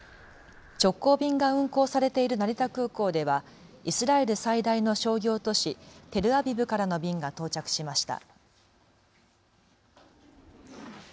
直行便が運航されている成田空港ではイスラエル最大の商業都市、テルアビブからの便が到着しました。